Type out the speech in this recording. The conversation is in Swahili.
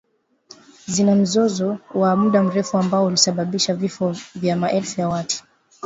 Zina mzozo wa muda mrefu ambao ulisababisha vifo vya maelfu ya watu